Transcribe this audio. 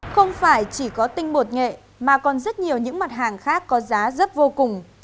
không phải chỉ có tinh bột nghệ mà còn rất nhiều những mặt hàng khác có giá rất vô cùng